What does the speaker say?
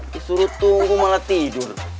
disuruh tunggu malah tidur